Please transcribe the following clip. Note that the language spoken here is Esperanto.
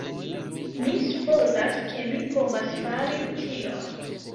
Mi supozas ke mi povas fari tion!